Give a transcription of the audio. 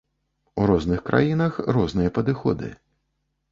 У розных краінах розныя падыходы.